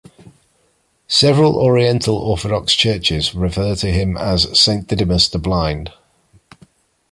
Several Oriental Orthodox Churches refer to him as Saint Didymus the Blind.